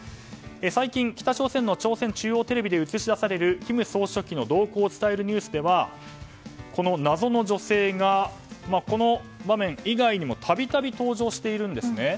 最近、北朝鮮の朝鮮中央テレビで映し出される金総書記の動向を伝えるニュースでは謎の女性がこの場面以外にも度々登場しているんですね。